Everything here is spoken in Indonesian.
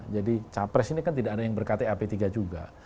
jadi capres ini kan tidak ada yang berkta p tiga juga